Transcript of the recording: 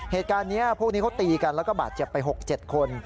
เหตุการณ์นี้พวกนี้เขาตีกันแล้วก็บาดเจ็บไป๖๗คน